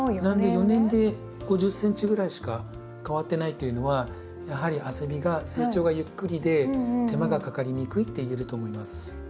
４年で５０ｃｍぐらいしか変わってないというのはやはりアセビが成長がゆっくりで手間がかかりにくいっていえると思います。